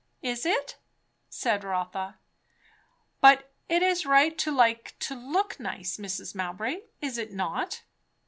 "Is it?" said Rotha. "But it is right to like to look nice, Mrs. Mowbray, is it not?"